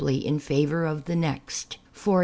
} in favor of the next. e.